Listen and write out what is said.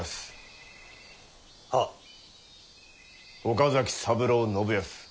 岡崎三郎信康。